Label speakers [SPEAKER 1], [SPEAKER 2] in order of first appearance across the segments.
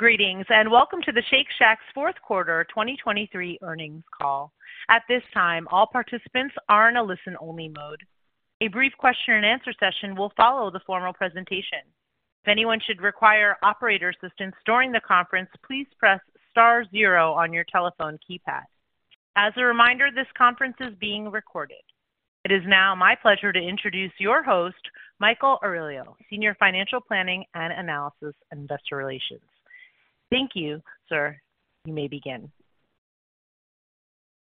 [SPEAKER 1] Greetings and welcome to the Shake Shack's fourth quarter 2023 earnings call. At this time, all participants are in a listen-only mode. A brief question-and-answer session will follow the formal presentation. If anyone should require operator assistance during the conference, please press star zero on your telephone keypad. As a reminder, this conference is being recorded. It is now my pleasure to introduce your host, Michael Oriolo, Senior Financial Planning and Analysis and Investor Relations. Thank you, sir. You may begin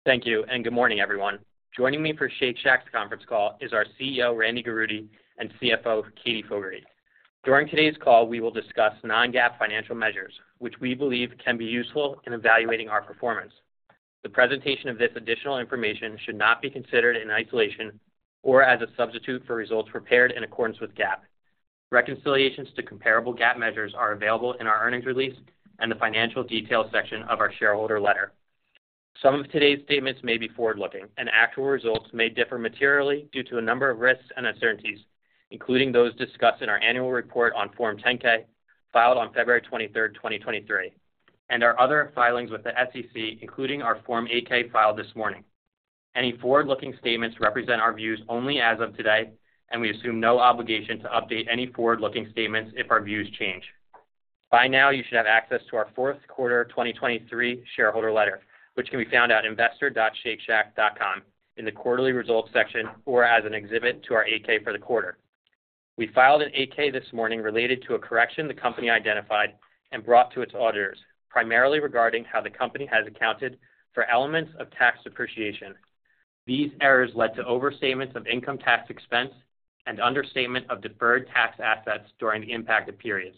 [SPEAKER 2] Thank you, and good morning, everyone. Joining me for Shake Shack's conference call is our CEO, Randy Garutti, and CFO, Katie Fogertey. During today's call, we will discuss non-GAAP financial measures, which we believe can be useful in evaluating our performance. The presentation of this additional information should not be considered in isolation or as a substitute for results prepared in accordance with GAAP. Reconciliations to comparable GAAP measures are available in our earnings release and the financial details section of our shareholder letter. Some of today's statements may be forward-looking, and actual results may differ materially due to a number of risks and uncertainties, including those discussed in our annual report on Form 10-K filed on February 23rd, 2023, and our other filings with the SEC, including our Form 8-K filed this morning. Any forward-looking statements represent our views only as of today, and we assume no obligation to update any forward-looking statements if our views change. By now, you should have access to our fourth quarter 2023 shareholder letter, which can be found at investor.shakeshack.com in the quarterly results section or as an exhibit to our 8-K for the quarter. We filed an 8-K this morning related to a correction the company identified and brought to its auditors, primarily regarding how the company has accounted for elements of tax depreciation. These errors led to overstatement of income tax expense and understatement of deferred tax assets during the impacted periods.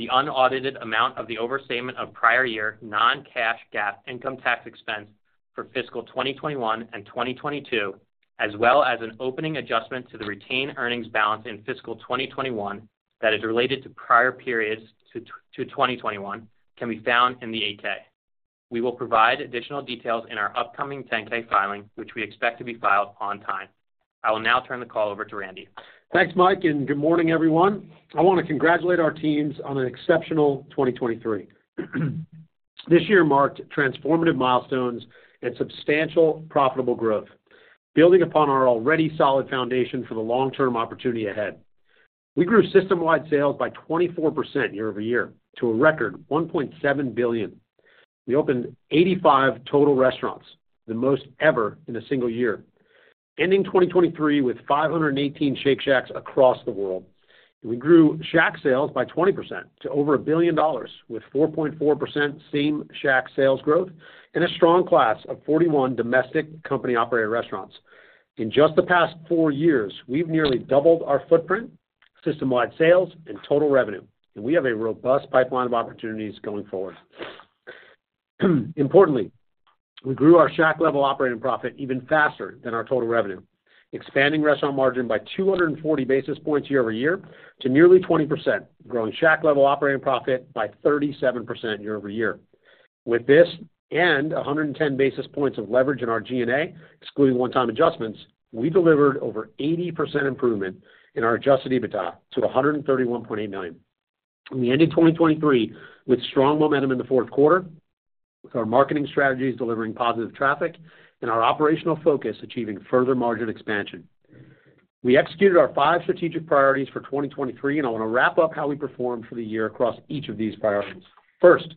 [SPEAKER 2] The unaudited amount of the overstatement of prior-year non-cash GAAP income tax expense for fiscal 2021 and 2022, as well as an opening adjustment to the retained earnings balance in fiscal 2021 that is related to prior periods prior to 2021, can be found in the 8-K. We will provide additional details in our upcoming 10-K filing, which we expect to be filed on time. I will now turn the call over to Randy.
[SPEAKER 3] Thanks, Mike, and good morning, everyone. I want to congratulate our teams on an exceptional 2023. This year marked transformative milestones and substantial profitable growth, building upon our already solid foundation for the long-term opportunity ahead. We grew System-Wide Sales by 24% year-over-year to a record $1.7 billion. We opened 85 total restaurants, the most ever in a single year, ending 2023 with 518 Shake Shacks across the world. We grew Shack Sales by 20% to over $1 billion, with 4.4% Same-Shack Sales growth and a strong class of 41 domestic company-operated restaurants. In just the past four years, we've nearly doubled our footprint, System-Wide Sales, and total revenue, and we have a robust pipeline of opportunities going forward. Importantly, we grew our Shack-Level Operating Profit even faster than our total revenue, expanding restaurant margin by 240 basis points year-over-year to nearly 20%, growing Shack-Level Operating Profit by 37% year-over-year. With this and 110 basis points of leverage in our G&A, excluding one-time adjustments, we delivered over 80% improvement in our Adjusted EBITDA to $131.8 million. We ended 2023 with strong momentum in the fourth quarter, with our marketing strategies delivering positive traffic and our operational focus achieving further margin expansion. We executed our five strategic priorities for 2023, and I want to wrap up how we performed for the year across each of these priorities. First,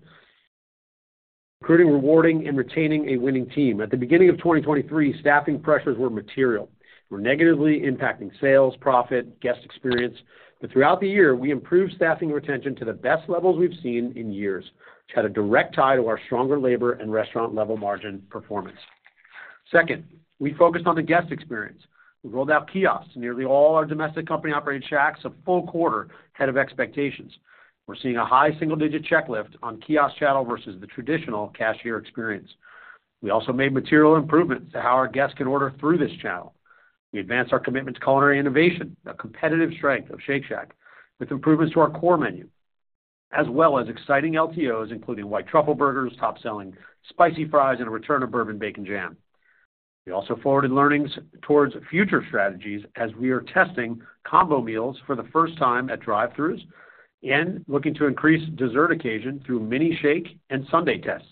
[SPEAKER 3] recruiting, rewarding, and retaining a winning team. At the beginning of 2023, staffing pressures were material. We're negatively impacting sales, profit, guest experience, but throughout the year, we improved staffing retention to the best levels we've seen in years, which had a direct tie to our stronger labor and restaurant-level margin performance. Second, we focused on the guest experience. We rolled out kiosks to nearly all our domestic company-operated Shacks a full quarter ahead of expectations. We're seeing a high single-digit checklift on kiosk channel versus the traditional cashier experience. We also made material improvements to how our guests can order through this channel. We advanced our commitment to culinary innovation, a competitive strength of Shake Shack, with improvements to our core menu, as well as exciting LTOs, including White Truffle Burgers, top-selling Spicy Fries, and a return of Bourbon Bacon Jam. We also forwarded learnings towards future strategies as we are testing combo meals for the first time at drive-thrus and looking to increase dessert occasion through Mini Shake and sundae tests.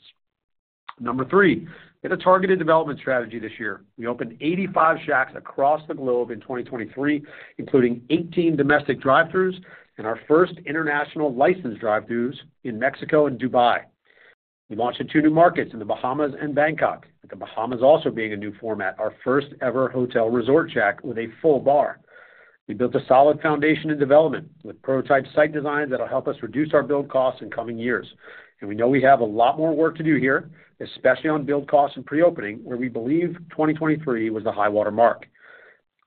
[SPEAKER 3] Number 3, we had a targeted development strategy this year. We opened 85 Shacks across the globe in 2023, including 18 domestic drive-thrus and our first international licensed drive-thrus in Mexico and Dubai. We launched in 2 new markets, in the Bahamas and Bangkok, with the Bahamas also being a new format, our first-ever hotel resort Shack with a full bar. We built a solid foundation in development with prototype site designs that will help us reduce our build costs in coming years. And we know we have a lot more work to do here, especially on build costs and pre-opening, where we believe 2023 was the high-water mark.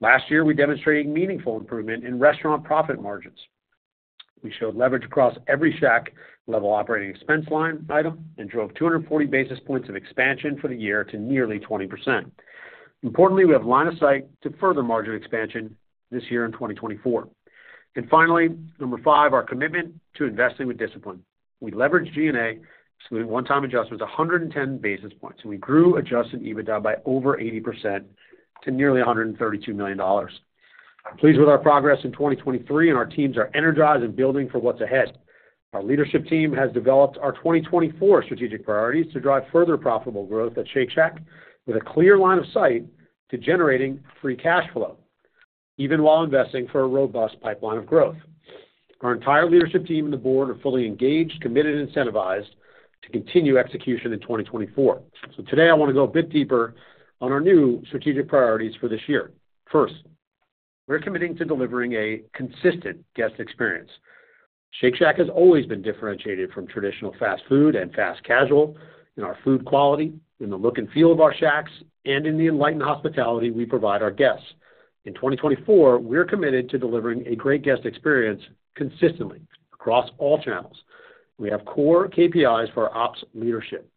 [SPEAKER 3] Last year, we demonstrated meaningful improvement in restaurant profit margins. We showed leverage across every Shack-level operating expense line item and drove 240 basis points of expansion for the year to nearly 20%. Importantly, we have line of sight to further margin expansion this year in 2024. And finally, number 5, our commitment to investing with discipline. We leveraged G&A, excluding one-time adjustments, 110 basis points, and we grew Adjusted EBITDA by over 80% to nearly $132 million. Pleased with our progress in 2023, and our teams are energized and building for what's ahead. Our leadership team has developed our 2024 strategic priorities to drive further profitable growth at Shake Shack with a clear line of sight to generating free cash flow, even while investing for a robust pipeline of growth. Our entire leadership team and the board are fully engaged, committed, and incentivized to continue execution in 2024. Today, I want to go a bit deeper on our new strategic priorities for this year. First, we're committing to delivering a consistent guest experience. Shake Shack has always been differentiated from traditional fast food and fast casual in our food quality, in the look and feel of our Shacks, and in the enlightened hospitality we provide our guests. In 2024, we're committed to delivering a great guest experience consistently across all channels. We have core KPIs for our ops leadership.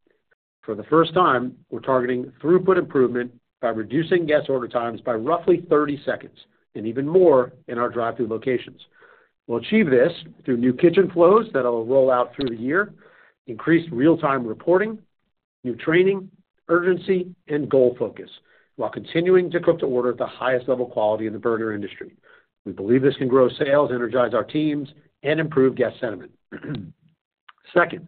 [SPEAKER 3] For the first time, we're targeting throughput improvement by reducing guest order times by roughly 30 seconds and even more in our drive-thru locations. We'll achieve this through new kitchen flows that will roll out through the year, increased real-time reporting, new training, urgency, and goal focus while continuing to cook to order at the highest level quality in the burger industry. We believe this can grow sales, energize our teams, and improve guest sentiment. Second,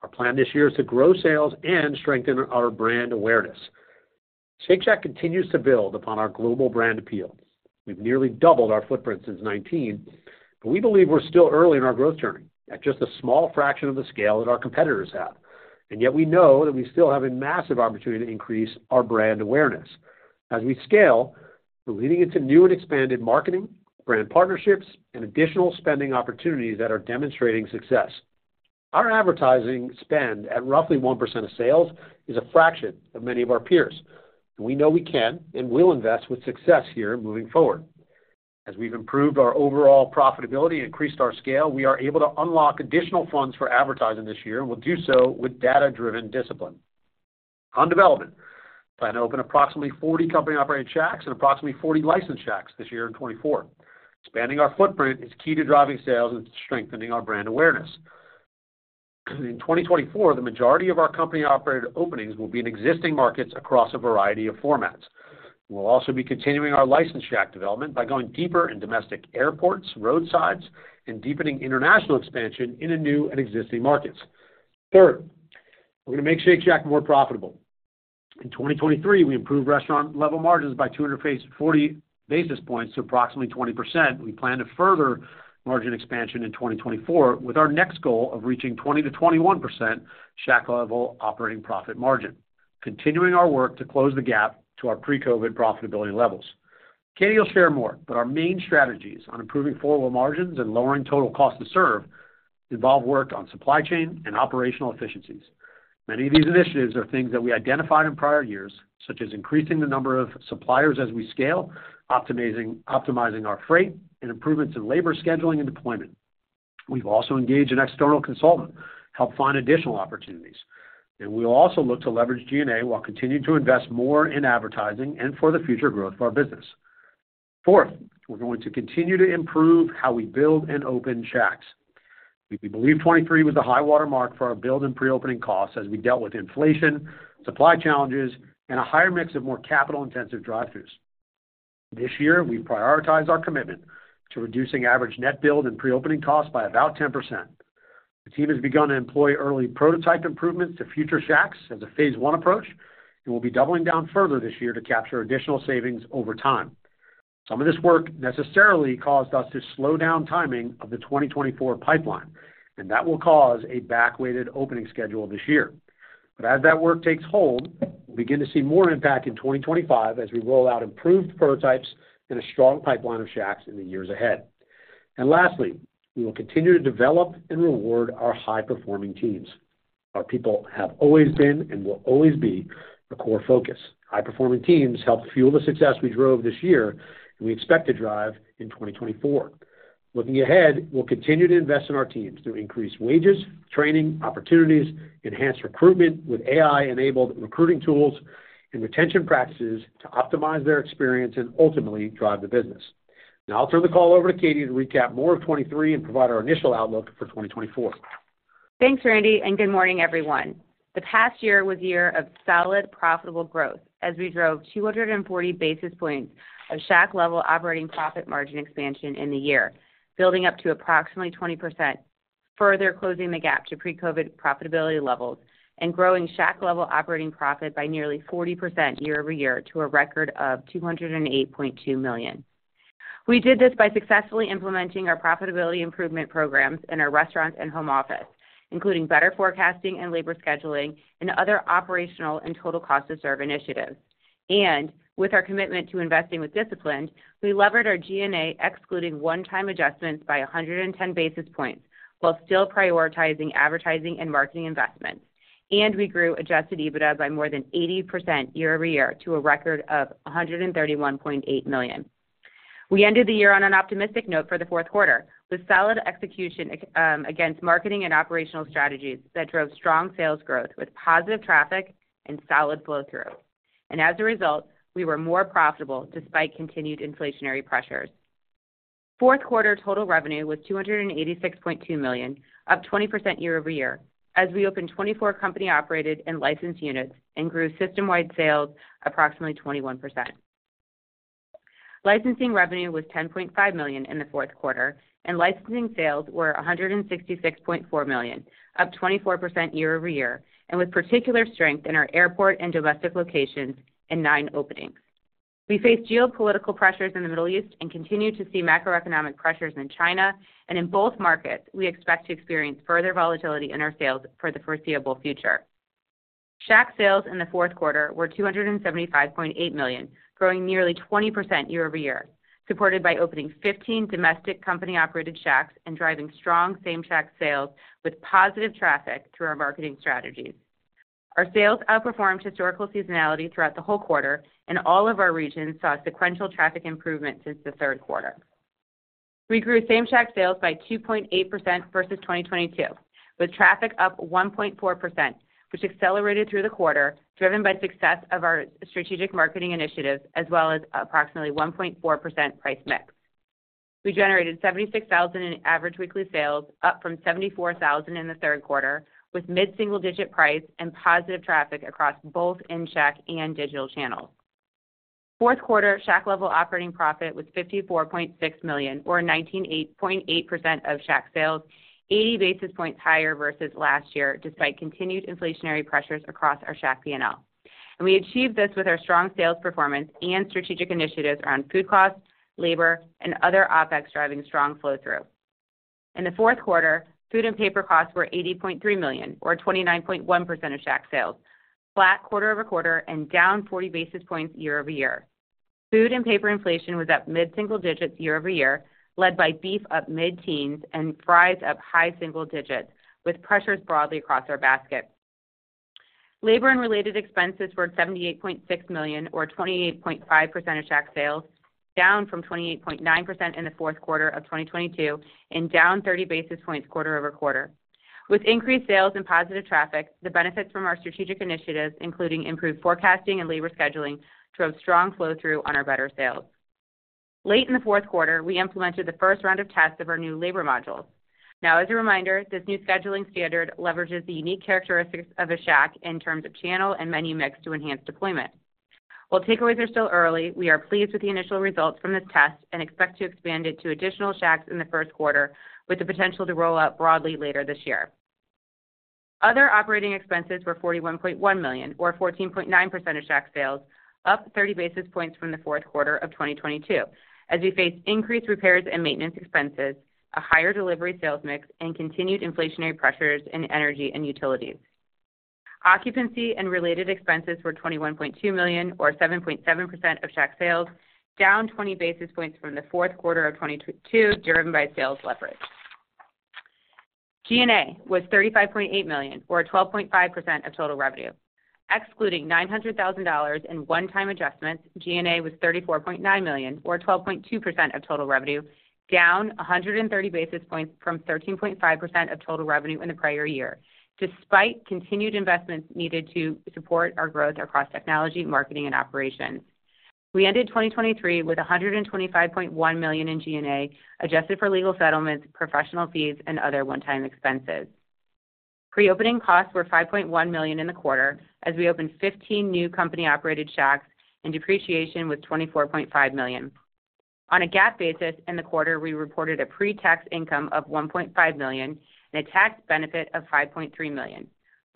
[SPEAKER 3] our plan this year is to grow sales and strengthen our brand awareness. Shake Shack continues to build upon our global brand appeal. We've nearly doubled our footprint since 2019, but we believe we're still early in our growth journey at just a small fraction of the scale that our competitors have. And yet, we know that we still have a massive opportunity to increase our brand awareness. As we scale, we're leading into new and expanded marketing, brand partnerships, and additional spending opportunities that are demonstrating success. Our advertising spend at roughly 1% of sales is a fraction of many of our peers, and we know we can and will invest with success here moving forward. As we've improved our overall profitability and increased our scale, we are able to unlock additional funds for advertising this year, and we'll do so with data-driven discipline. On development, we plan to open approximately 40 company-operated Shacks and approximately 40 licensed Shacks this year in 2024. Expanding our footprint is key to driving sales and strengthening our brand awareness. In 2024, the majority of our company-operated openings will be in existing markets across a variety of formats. We'll also be continuing our licensed shack development by going deeper in domestic airports, roadsides, and deepening international expansion in new and existing markets. Third, we're going to make Shake Shack more profitable. In 2023, we improved restaurant-level margins by 240 basis points to approximately 20%. We plan to further margin expansion in 2024 with our next goal of reaching 20%-21% Shack-Level Operating Profit margin, continuing our work to close the gap to our pre-COVID profitability levels. Katie will share more, but our main strategies on improving forward margins and lowering total cost to serve involve work on supply chain and operational efficiencies. Many of these initiatives are things that we identified in prior years, such as increasing the number of suppliers as we scale, optimizing our freight, and improvements in labor scheduling and deployment. We've also engaged an external consultant to help find additional opportunities, and we'll also look to leverage G&A while continuing to invest more in advertising and for the future growth of our business. Fourth, we're going to continue to improve how we build and open Shacks. We believe 2023 was the high-water mark for our build and pre-opening costs as we dealt with inflation, supply challenges, and a higher mix of more capital-intensive drive-thrus. This year, we've prioritized our commitment to reducing average net build and pre-opening costs by about 10%. The team has begun to employ early prototype improvements to future Shacks as a phase one approach, and we'll be doubling down further this year to capture additional savings over time. Some of this work necessarily caused us to slow down timing of the 2024 pipeline, and that will cause a back-weighted opening schedule this year. But as that work takes hold, we'll begin to see more impact in 2025 as we roll out improved prototypes and a strong pipeline of Shacks in the years ahead. And lastly, we will continue to develop and reward our high-performing teams. Our people have always been and will always be a core focus. High-performing teams help fuel the success we drove this year, and we expect to drive in 2024. Looking ahead, we'll continue to invest in our teams through increased wages, training opportunities, enhanced recruitment with AI-enabled recruiting tools, and retention practices to optimize their experience and ultimately drive the business. Now I'll turn the call over to Katie to recap more of 2023 and provide our initial outlook for 2024.
[SPEAKER 4] Thanks, Randy, and good morning, everyone. The past year was a year of solid, profitable growth as we drove 240 basis points of Shack-Level Operating Profit margin expansion in the year, building up to approximately 20%, further closing the gap to pre-COVID profitability levels, and growing Shack-Level Operating Profit by nearly 40% year-over-year to a record of $208.2 million. We did this by successfully implementing our profitability improvement programs in our restaurants and home office, including better forecasting and labor scheduling and other operational and total cost to serve initiatives. With our commitment to investing with discipline, we leveraged our G&A excluding one-time adjustments by 110 basis points while still prioritizing advertising and marketing investments, and we grew Adjusted EBITDA by more than 80% year-over-year to a record of $131.8 million. We ended the year on an optimistic note for the fourth quarter with solid execution against marketing and operational strategies that drove strong sales growth with positive traffic and solid flow-through. As a result, we were more profitable despite continued inflationary pressures. Fourth quarter total revenue was $286.2 million, up 20% year-over-year as we opened 24 company-operated and licensed units and grew system-wide sales approximately 21%. Licensing revenue was $10.5 million in the fourth quarter, and licensing sales were $166.4 million, up 24% year-over-year and with particular strength in our airport and domestic locations and nine openings. We faced geopolitical pressures in the Middle East and continue to see macroeconomic pressures in China, and in both markets, we expect to experience further volatility in our sales for the foreseeable future. Shack sales in the fourth quarter were $275.8 million, growing nearly 20% year-over-year, supported by opening 15 domestic company-operated Shacks and driving strong same-shack sales with positive traffic through our marketing strategies. Our sales outperformed historical seasonality throughout the whole quarter, and all of our regions saw sequential traffic improvement since the third quarter. We grew same-shack sales by 2.8% versus 2022, with traffic up 1.4%, which accelerated through the quarter driven by success of our strategic marketing initiatives as well as approximately 1.4% price mix. We generated 76,000 in average weekly sales, up from 74,000 in the third quarter with mid-single-digit price and positive traffic across both in-shack and digital channels. Fourth quarter shack-level operating profit was $54.6 million, or 19.8% of shack sales, 80 basis points higher versus last year despite continued inflationary pressures across our shack P&L. We achieved this with our strong sales performance and strategic initiatives around food costs, labor, and other OpEx driving strong flow-through. In the fourth quarter, food and paper costs were $80.3 million, or 29.1% of Shack sales, flat quarter-over-quarter and down 40 basis points year-over-year. Food and paper inflation was up mid-single digits year-over-year, led by beef up mid-teens and fries up high single digits with pressures broadly across our basket. Labor and related expenses were $78.6 million, or 28.5% of Shack sales, down from 28.9% in the fourth quarter of 2022 and down 30 basis points quarter-over-quarter. With increased sales and positive traffic, the benefits from our strategic initiatives, including improved forecasting and labor scheduling, drove strong flow-through on our better sales. Late in the fourth quarter, we implemented the first round of tests of our new labor modules. Now, as a reminder, this new scheduling standard leverages the unique characteristics of a shack in terms of channel and menu mix to enhance deployment. While takeaways are still early, we are pleased with the initial results from this test and expect to expand it to additional Shacks in the first quarter with the potential to roll out broadly later this year. Other operating expenses were $41.1 million, or 14.9% of shack sales, up 30 basis points from the fourth quarter of 2022 as we faced increased repairs and maintenance expenses, a higher delivery sales mix, and continued inflationary pressures in energy and utilities. Occupancy and related expenses were $21.2 million, or 7.7% of shack sales, down 20 basis points from the fourth quarter of 2022 driven by sales leverage. G&A was $35.8 million, or 12.5% of total revenue. Excluding $900,000 in one-time adjustments, G&A was $34.9 million, or 12.2% of total revenue, down 130 basis points from 13.5% of total revenue in the prior year despite continued investments needed to support our growth across technology, marketing, and operations. We ended 2023 with $125.1 million in G&A adjusted for legal settlements, professional fees, and other one-time expenses. Pre-opening costs were $5.1 million in the quarter as we opened 15 new company-operated Shacks, and depreciation was $24.5 million. On a GAAP basis in the quarter, we reported a pre-tax income of $1.5 million and a tax benefit of $5.3 million.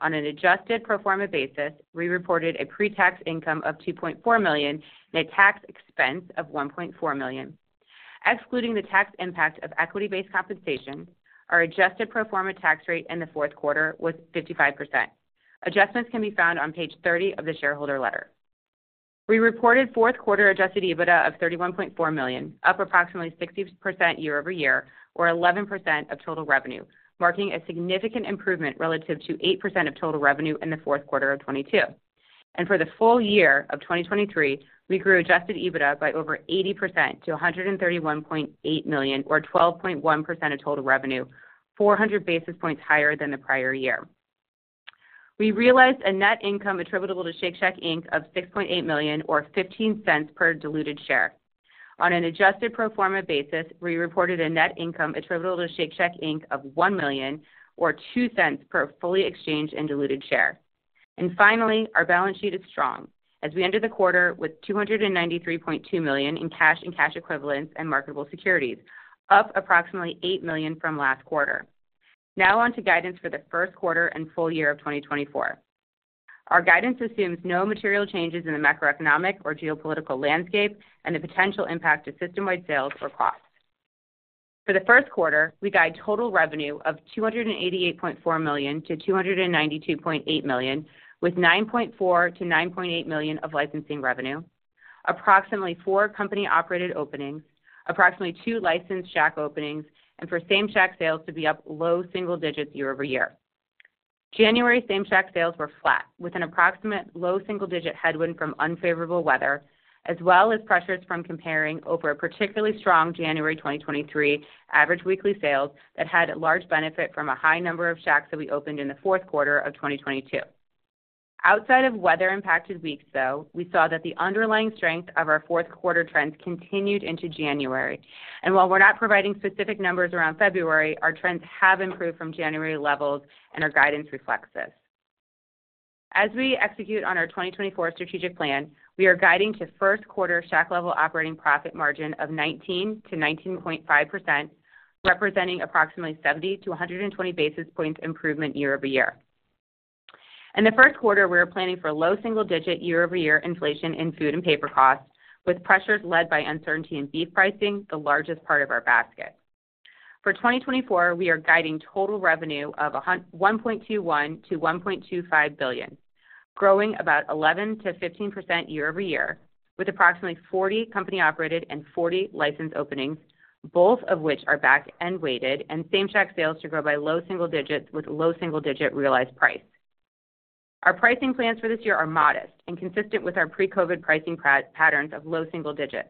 [SPEAKER 4] On an adjusted performance basis, we reported a pre-tax income of $2.4 million and a tax expense of $1.4 million. Excluding the tax impact of equity-based compensation, our adjusted performance tax rate in the fourth quarter was 55%. Adjustments can be found on page 30 of the shareholder letter. We reported fourth quarter adjusted EBITDA of $31.4 million, up approximately 60% year-over-year, or 11% of total revenue, marking a significant improvement relative to 8% of total revenue in the fourth quarter of 2022. For the full year of 2023, we grew adjusted EBITDA by over 80% to $131.8 million, or 12.1% of total revenue, 400 basis points higher than the prior year. We realized a net income attributable to Shake Shack Inc. of $6.8 million, or $0.15 per diluted share. On an adjusted performance basis, we reported a net income attributable to Shake Shack Inc. of $1 million, or $0.02 per fully exchanged and diluted share. Finally, our balance sheet is strong as we ended the quarter with $293.2 million in cash and cash equivalents and marketable securities, up approximately $8 million from last quarter. Now onto guidance for the first quarter and full year of 2024. Our guidance assumes no material changes in the macroeconomic or geopolitical landscape and the potential impact to system-wide sales or costs. For the first quarter, we guide total revenue of $288.4 million-$292.8 million, with $9.4 million-$9.8 million of licensing revenue, approximately four company-operated openings, approximately two licensed shack openings, and for same-shack sales to be up low single digits year-over-year. January same-shack sales were flat with an approximate low single digit headwind from unfavorable weather as well as pressures from comparing over a particularly strong January 2023 average weekly sales that had large benefit from a high number of Shacks that we opened in the fourth quarter of 2022. Outside of weather-impacted weeks, though, we saw that the underlying strength of our fourth quarter trends continued into January. While we're not providing specific numbers around February, our trends have improved from January levels, and our guidance reflects this. As we execute on our 2024 strategic plan, we are guiding to first quarter Shack-Level Operating Profit margin of 19%-19.5%, representing approximately 70-120 basis points improvement year-over-year. In the first quarter, we are planning for low single digit year-over-year inflation in food and paper costs, with pressures led by uncertainty in beef pricing, the largest part of our basket. For 2024, we are guiding total revenue of $1.21 billion-$1.25 billion, growing about 11%-15% year-over-year with approximately 40 company-operated and 40 licensed openings, both of which are back-end weighted, and Same-Shack Sales to grow by low single digits with low single digit realized price. Our pricing plans for this year are modest and consistent with our pre-COVID pricing patterns of low single digits.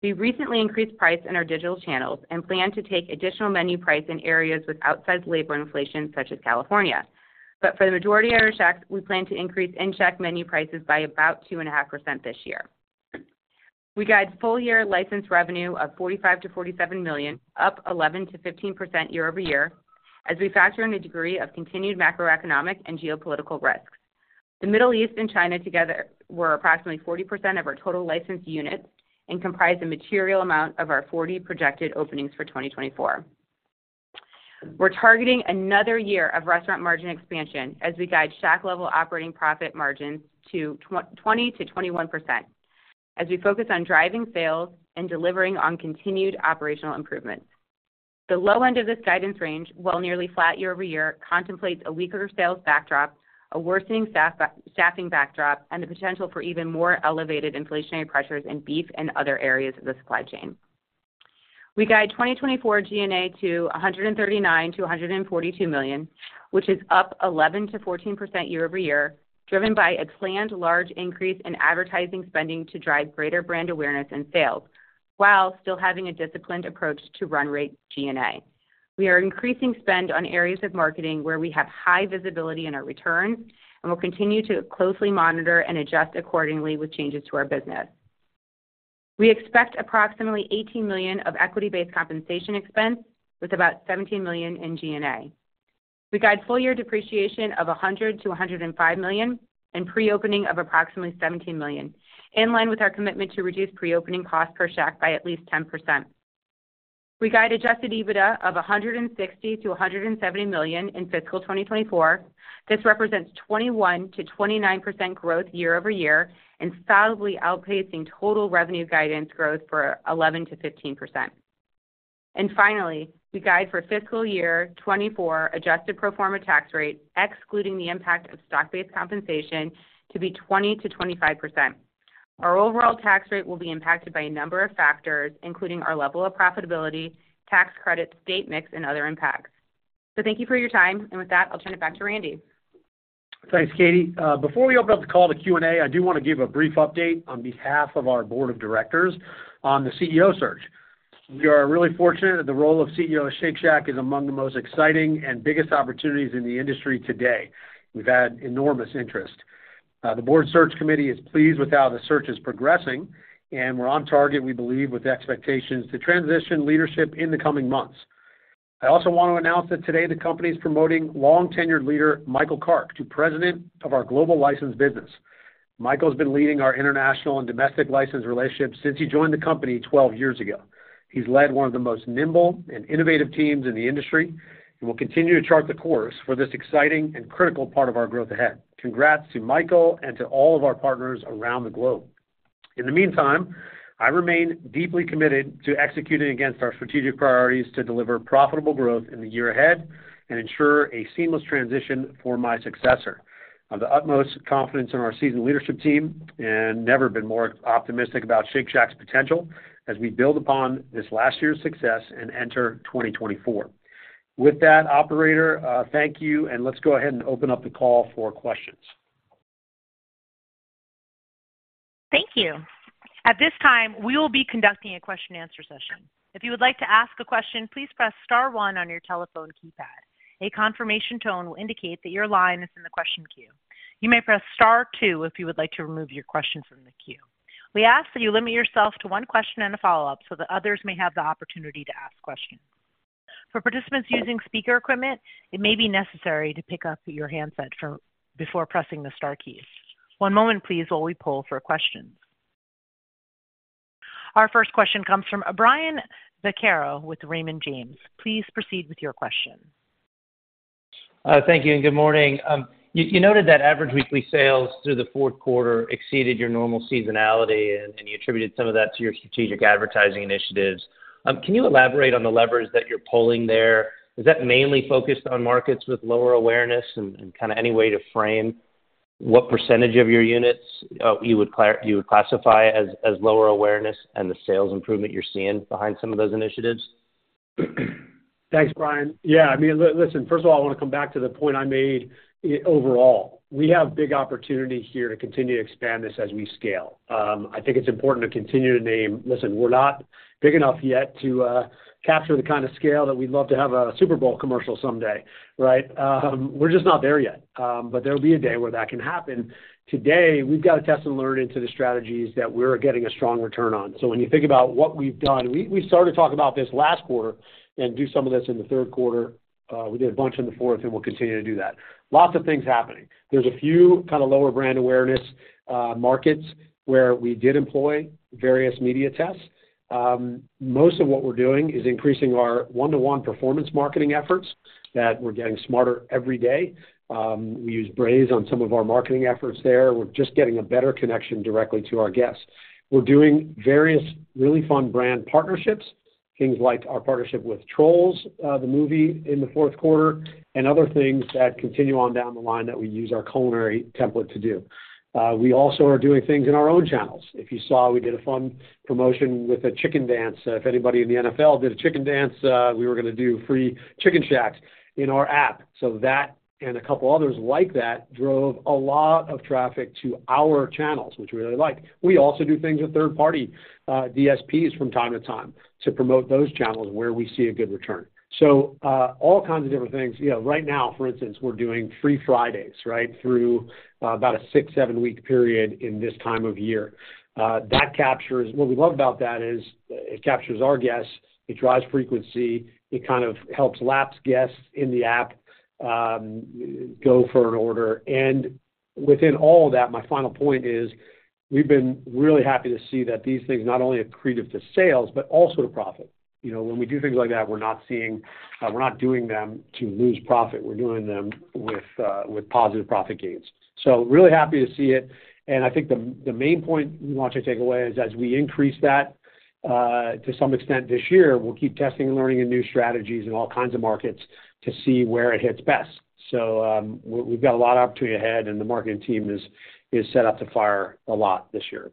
[SPEAKER 4] We recently increased price in our digital channels and plan to take additional menu price in areas with outsized labor inflation such as California. But for the majority of our Shacks, we plan to increase in-shack menu prices by about 2.5% this year. We guide full-year license revenue of $45 million-$47 million, up 11%-15% year-over-year as we factor in a degree of continued macroeconomic and geopolitical risks. The Middle East and China together were approximately 40% of our total licensed units and comprise a material amount of our 40 projected openings for 2024. We're targeting another year of restaurant margin expansion as we guide Shack-Level Operating Profit margins to 20%-21% as we focus on driving sales and delivering on continued operational improvements. The low end of this guidance range, while nearly flat year-over-year, contemplates a weaker sales backdrop, a worsening staffing backdrop, and the potential for even more elevated inflationary pressures in beef and other areas of the supply chain. We guide 2024 G&A to $139 million-$142 million, which is up 11%-14% year-over-year driven by a planned large increase in advertising spending to drive greater brand awareness and sales while still having a disciplined approach to run-rate G&A. We are increasing spend on areas of marketing where we have high visibility in our returns, and we'll continue to closely monitor and adjust accordingly with changes to our business. We expect approximately $18 million of equity-based compensation expense with about $17 million in G&A. We guide full-year depreciation of $100 million-$105 million and pre-opening of approximately $17 million, in line with our commitment to reduce pre-opening costs per shack by at least 10%. We guide Adjusted EBITDA of $160 million-$170 million in fiscal 2024. This represents 21%-29% growth year-over-year and solidly outpacing total revenue guidance growth for 11%-15%. And finally, we guide for fiscal year 2024 adjusted performance tax rate, excluding the impact of stock-based compensation, to be 20%-25%. Our overall tax rate will be impacted by a number of factors, including our level of profitability, tax credit, state mix, and other impacts. So thank you for your time. And with that, I'll turn it back to Randy.
[SPEAKER 3] Thanks, Katie. Before we open up the call to Q&A, I do want to give a brief update on behalf of our board of directors on the CEO search. We are really fortunate that the role of CEO of Shake Shack is among the most exciting and biggest opportunities in the industry today. We've had enormous interest. The board search committee is pleased with how the search is progressing, and we're on target, we believe, with expectations to transition leadership in the coming months. I also want to announce that today the company is promoting long-tenured leader Michael Kark to President of our global license business. Michael has been leading our international and domestic license relationships since he joined the company 12 years ago. He's led one of the most nimble and innovative teams in the industry and will continue to chart the course for this exciting and critical part of our growth ahead. Congrats to Michael and to all of our partners around the globe. In the meantime, I remain deeply committed to executing against our strategic priorities to deliver profitable growth in the year ahead and ensure a seamless transition for my successor. I have the utmost confidence in our seasoned leadership team and never been more optimistic about Shake Shack's potential as we build upon this last year's success and enter 2024. With that, operator, thank you, and let's go ahead and open up the call for questions.
[SPEAKER 1] Thank you. At this time, we will be conducting a question-and-answer session. If you would like to ask a question, please press star one on your telephone keypad. A confirmation tone will indicate that your line is in the question queue. You may press star two if you would like to remove your question from the queue. We ask that you limit yourself to one question and a follow-up so that others may have the opportunity to ask questions. For participants using speaker equipment, it may be necessary to pick up your handset before pressing the star keys. One moment, please, while we pull for questions. Our first question comes from Brian Vaccaro with Raymond James. Please proceed with your question.
[SPEAKER 5] Thank you and good morning. You noted that average weekly sales through the fourth quarter exceeded your normal seasonality, and you attributed some of that to your strategic advertising initiatives. Can you elaborate on the levers that you're pulling there? Is that mainly focused on markets with lower awareness and kind of any way to frame what percentage of your units you would classify as lower awareness and the sales improvement you're seeing behind some of those initiatives?
[SPEAKER 3] Thanks, Brian. Yeah, I mean, listen, first of all, I want to come back to the point I made overall. We have big opportunity here to continue to expand this as we scale. I think it's important to continue to name listen, we're not big enough yet to capture the kind of scale that we'd love to have a Super Bowl commercial someday, right? We're just not there yet, but there'll be a day where that can happen. Today, we've got to test and learn into the strategies that we're getting a strong return on. So when you think about what we've done we started talking about this last quarter and do some of this in the third quarter. We did a bunch in the fourth, and we'll continue to do that. Lots of things happening. There's a few kind of lower brand awareness markets where we did employ various media tests. Most of what we're doing is increasing our one-to-one performance marketing efforts that we're getting smarter every day. We use Braze on some of our marketing efforts there. We're just getting a better connection directly to our guests. We're doing various really fun brand partnerships, things like our partnership with Trolls, the movie, in the fourth quarter, and other things that continue on down the line that we use our culinary template to do. We also are doing things in our own channels. If you saw, we did a fun promotion with a Chicken Dance. If anybody in the NFL did a Chicken Dance, we were going to do free Chicken Shacks in our app. So that and a couple others like that drove a lot of traffic to our channels, which we really like. We also do things with third-party DSPs from time to time to promote those channels where we see a good return. So all kinds of different things. Right now, for instance, we're doing Free Fridays, right, through about a 6-7-week period in this time of year. What we love about that is it captures our guests. It drives frequency. It kind of helps lapsed guests in the app go for an order. And within all of that, my final point is we've been really happy to see that these things not only are creative to sales but also to profit. When we do things like that, we're not seeing, we're not doing them to lose profit. We're doing them with positive profit gains. So really happy to see it. I think the main point we want you to take away is as we increase that to some extent this year, we'll keep testing and learning new strategies in all kinds of markets to see where it hits best. We've got a lot of opportunity ahead, and the marketing team is set up to fire a lot this year.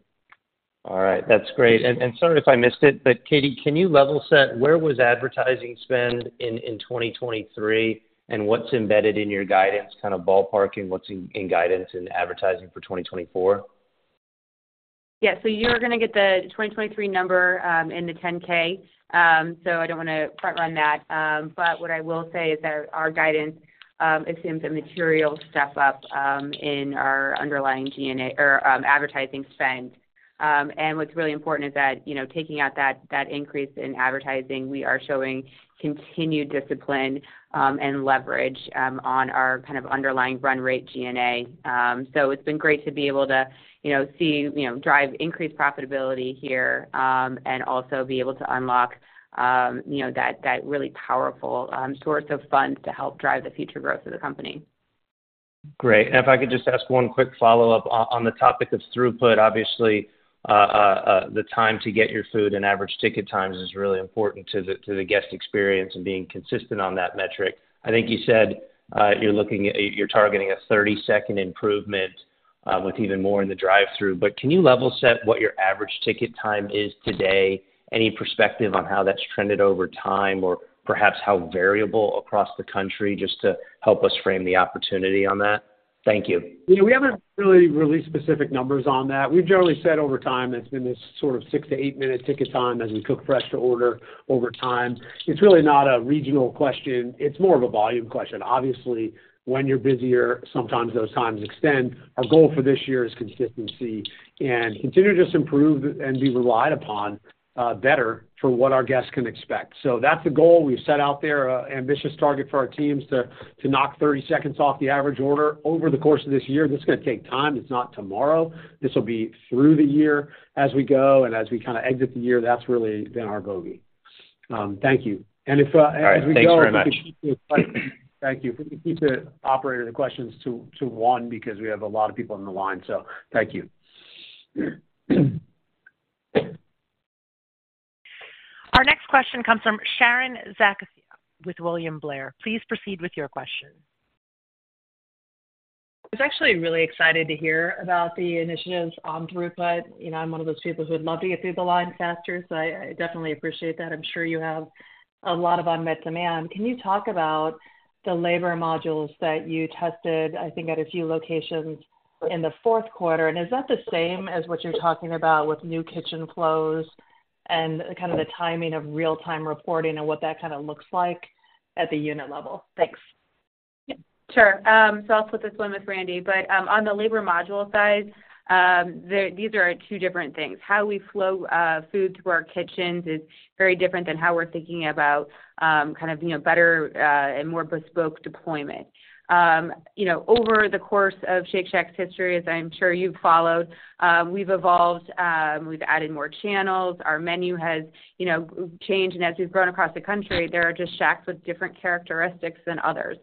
[SPEAKER 5] All right. That's great. Sorry if I missed it, but Katie, can you level set where was advertising spend in 2023, and what's embedded in your guidance, kind of ballparking what's in guidance and advertising for 2024?
[SPEAKER 4] Yeah. So you're going to get the 2023 number in the 10-K, so I don't want to front-run that. But what I will say is that our guidance assumes a material step up in our underlying G&A or advertising spend. And what's really important is that taking out that increase in advertising, we are showing continued discipline and leverage on our kind of underlying run-rate G&A. So it's been great to be able to see drive increased profitability here and also be able to unlock that really powerful source of funds to help drive the future growth of the company.
[SPEAKER 5] Great. And if I could just ask one quick follow-up on the topic of throughput, obviously, the time to get your food and average ticket times is really important to the guest experience and being consistent on that metric. I think you said you're targeting a 30-second improvement with even more in the drive-through. But can you level set what your average ticket time is today, any perspective on how that's trended over time or perhaps how variable across the country just to help us frame the opportunity on that? Thank you.
[SPEAKER 3] Yeah, we haven't really released specific numbers on that. We've generally said over time it's been this sort of 6 to 8-minute ticket time as we cook fresh to order over time. It's really not a regional question. It's more of a volume question. Obviously, when you're busier, sometimes those times extend. Our goal for this year is consistency and continue to just improve and be relied upon better for what our guests can expect. So that's the goal we've set out there, an ambitious target for our teams to knock 30 seconds off the average order over the course of this year. This is going to take time. It's not tomorrow. This will be through the year as we go. And as we kind of exit the year, that's really been our bogey. Thank you. And as we go.
[SPEAKER 5] All right. Thanks very much.
[SPEAKER 3] If we could keep the thank you. If we could keep the questions to one because we have a lot of people on the line, so thank you.
[SPEAKER 1] Our next question comes from Sara Senatore with Bank of America. Please proceed with your question.
[SPEAKER 6] I was actually really excited to hear about the initiatives on throughput. I'm one of those people who would love to get through the line faster, so I definitely appreciate that. I'm sure you have a lot of unmet demand. Can you talk about the labor modules that you tested, I think, at a few locations in the fourth quarter? And is that the same as what you're talking about with new kitchen flows and kind of the timing of real-time reporting and what that kind of looks like at the unit level? Thanks.
[SPEAKER 4] Yeah, sure. So I'll flip this one with Randy. But on the labor module side, these are two different things. How we flow food through our kitchens is very different than how we're thinking about kind of better and more bespoke deployment. Over the course of Shake Shack's history, as I'm sure you've followed, we've evolved. We've added more channels. Our menu has changed. And as we've grown across the country, there are just Shacks with different characteristics than others.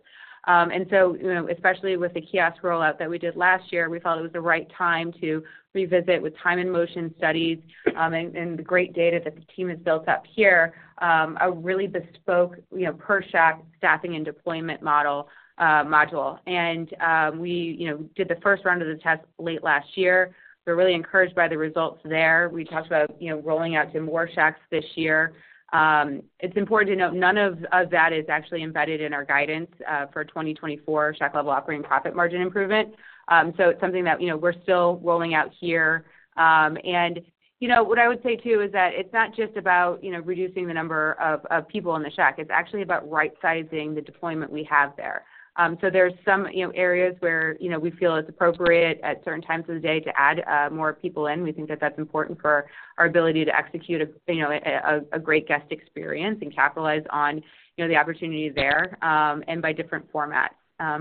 [SPEAKER 4] And so especially with the kiosk rollout that we did last year, we felt it was the right time to revisit with time-in-motion studies and the great data that the team has built up here, a really bespoke per-shack staffing and deployment module. And we did the first round of the test late last year. We were really encouraged by the results there. We talked about rolling out to more Shacks this year. It's important to note none of that is actually embedded in our guidance for 2024 Shack-level operating profit margin improvement. So it's something that we're still rolling out here. And what I would say too is that it's not just about reducing the number of people in the Shack. It's actually about right-sizing the deployment we have there. So there's some areas where we feel it's appropriate at certain times of the day to add more people in. We think that that's important for our ability to execute a great guest experience and capitalize on the opportunity there and by different formats.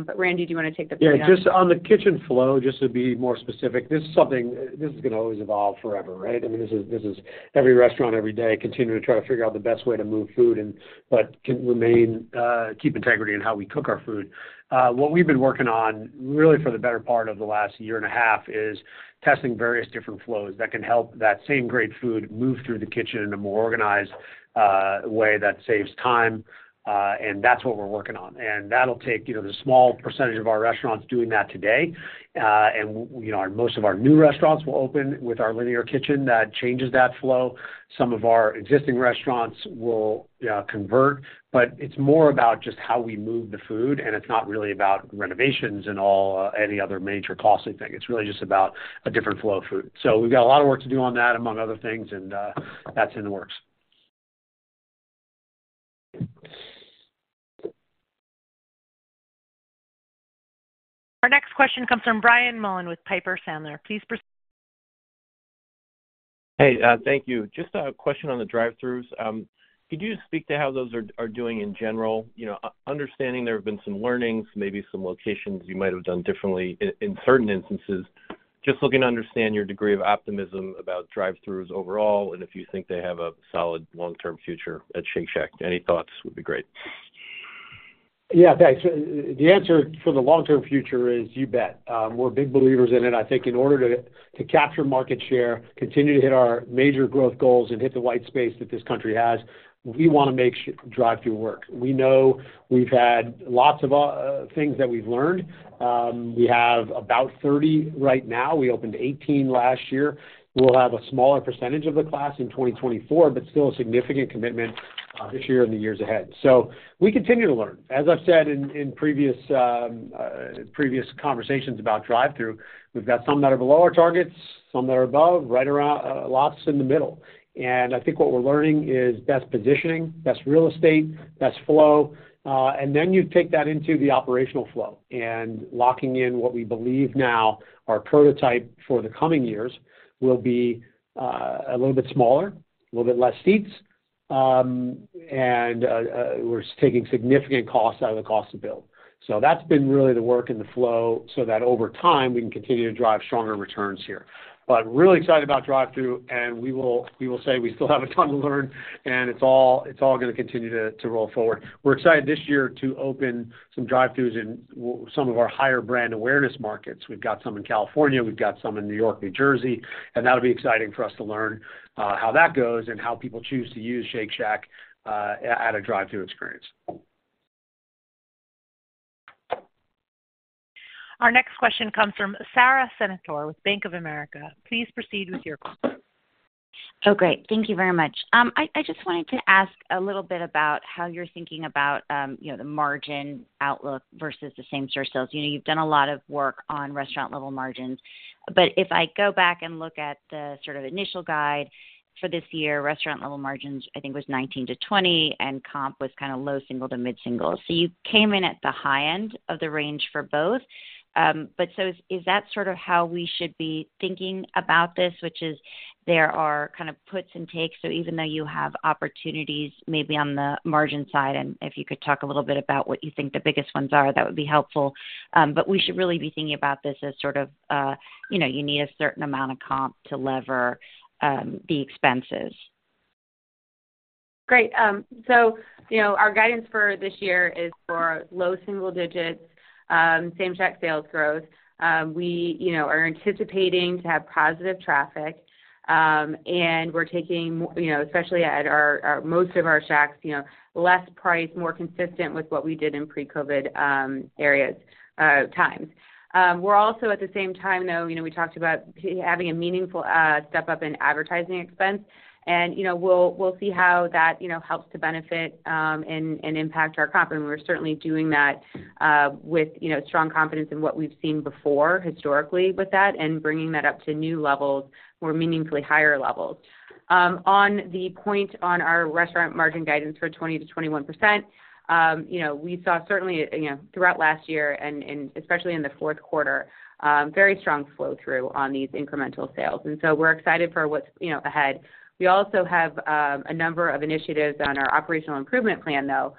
[SPEAKER 4] But Randy, do you want to take the floor?
[SPEAKER 3] Yeah. Just on the kitchen flow, just to be more specific, this is something this is going to always evolve forever, right? I mean, this is every restaurant every day, continuing to try to figure out the best way to move food but keep integrity in how we cook our food. What we've been working on really for the better part of the last year and a half is testing various different flows that can help that same great food move through the kitchen in a more organized way that saves time. And that's what we're working on. And that'll take. There's a small percentage of our restaurants doing that today. And most of our new restaurants will open with our linear kitchen that changes that flow. Some of our existing restaurants will convert. But it's more about just how we move the food. It's not really about renovations and all any other major costly thing. It's really just about a different flow of food. We've got a lot of work to do on that, among other things, and that's in the works.
[SPEAKER 1] Our next question comes from Brian Mullan with Piper Sandler. Please proceed.
[SPEAKER 7] Hey, thank you. Just a question on the drive-throughs. Could you speak to how those are doing in general? Understanding there have been some learnings, maybe some locations you might have done differently in certain instances, just looking to understand your degree of optimism about drive-throughs overall and if you think they have a solid long-term future at Shake Shack. Any thoughts would be great.
[SPEAKER 3] Yeah, thanks. The answer for the long-term future is you bet. We're big believers in it. I think in order to capture market share, continue to hit our major growth goals, and hit the white space that this country has, we want to make drive-through work. We know we've had lots of things that we've learned. We have about 30 right now. We opened 18 last year. We'll have a smaller percentage of the class in 2024 but still a significant commitment this year and the years ahead. So we continue to learn. As I've said in previous conversations about drive-through, we've got some that are below our targets, some that are above, lots in the middle. And I think what we're learning is best positioning, best real estate, best flow. And then you take that into the operational flow. Locking in what we believe now our prototype for the coming years will be a little bit smaller, a little bit less seats, and we're taking significant costs out of the cost to build. So that's been really the work and the flow so that over time, we can continue to drive stronger returns here. But really excited about drive-through. We will say we still have a ton to learn, and it's all going to continue to roll forward. We're excited this year to open some drive-throughs in some of our higher brand awareness markets. We've got some in California. We've got some in New York, New Jersey. That'll be exciting for us to learn how that goes and how people choose to use Shake Shack at a drive-through experience.
[SPEAKER 1] Our next question comes from Sara Senatore with Bank of America. Please proceed with your question.
[SPEAKER 6] Oh, great. Thank you very much. I just wanted to ask a little bit about how you're thinking about the margin outlook versus the same-store sales. You've done a lot of work on restaurant-level margins. But if I go back and look at the sort of initial guide for this year, restaurant-level margins, I think, was 19%-20%, and comp was kind of low single to mid-single. So you came in at the high end of the range for both. But so is that sort of how we should be thinking about this, which is there are kind of puts and takes? So even though you have opportunities maybe on the margin side, and if you could talk a little bit about what you think the biggest ones are, that would be helpful. We should really be thinking about this as sort of you need a certain amount of comp to lever the expenses.
[SPEAKER 4] Great. So our guidance for this year is for low single digits same-shack sales growth. We are anticipating to have positive traffic. And we're taking, especially at most of our Shacks, less price, more consistent with what we did in pre-COVID times. We're also at the same time, though, we talked about having a meaningful step up in advertising expense. And we'll see how that helps to benefit and impact our comp. And we're certainly doing that with strong confidence in what we've seen before historically with that and bringing that up to new levels, more meaningfully higher levels. On the point on our restaurant margin guidance for 20%-21%, we saw certainly throughout last year and especially in the fourth quarter, very strong flow-through on these incremental sales. And so we're excited for what's ahead. We also have a number of initiatives on our operational improvement plan, though,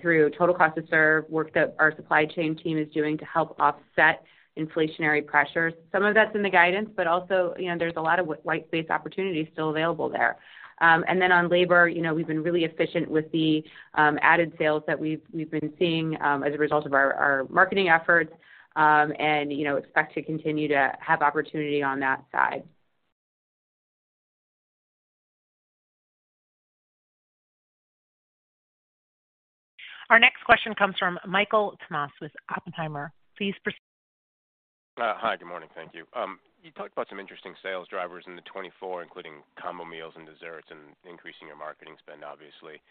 [SPEAKER 4] through total cost to serve, work that our supply chain team is doing to help offset inflationary pressures. Some of that's in the guidance, but also there's a lot of white-space opportunities still available there. And then on labor, we've been really efficient with the added sales that we've been seeing as a result of our marketing efforts and expect to continue to have opportunity on that side.
[SPEAKER 1] Our next question comes from Michael Tamas with Oppenheimer. Please proceed.
[SPEAKER 8] Hi. Good morning. Thank you. You talked about some interesting sales drivers in 2024, including combo meals and desserts and increasing your marketing spend, obviously.